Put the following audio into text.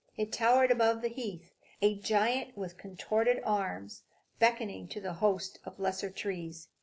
It towered above the heath, a giant with contorted arms, beckoning to the host of lesser trees.